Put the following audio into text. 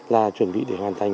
là chuẩn bị để hoàn thành